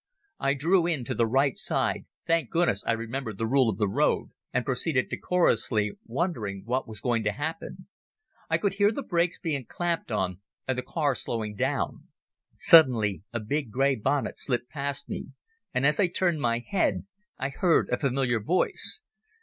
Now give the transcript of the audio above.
I drew in to the right side—thank goodness I remembered the rule of the road—and proceeded decorously, wondering what was going to happen. I could hear the brakes being clamped on and the car slowing down. Suddenly a big grey bonnet slipped past me and as I turned my head I heard a familiar voice.